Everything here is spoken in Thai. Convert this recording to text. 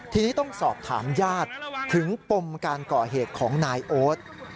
ทีนี้ต้องสอบถามญาติถึงปมการก่อเหตุของนายโอ๊ต